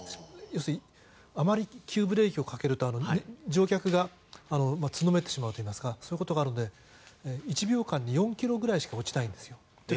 要するにあまり急ブレーキをかけると乗客がつんのめってしまうといいますかそういうことがあるので１秒間に４キロぐらいしか落ちないんですよ。